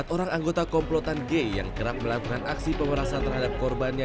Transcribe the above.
empat orang anggota komplotan g yang kerap melakukan aksi pemerasan terhadap korbannya